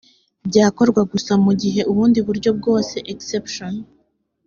byakorwa gusa mu gihe ubundi buryo bwose exception